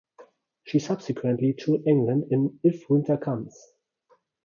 She subsequently toured England in "If Winter Comes".